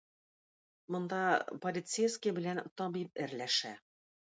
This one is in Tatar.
Монда полицейский белән табиб әрләшә